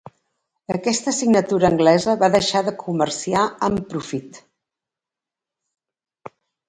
Aquesta signatura anglesa va deixar de comerciar amb profit.